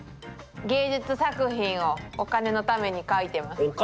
芸術作品をお金のために描いてます。